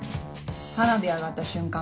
花火上がった瞬間